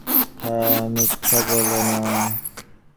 হ্যাঁ, মিথ্যা বলো না।